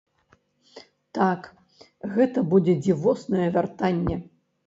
Так, гэта будзе дзівоснае вяртанне.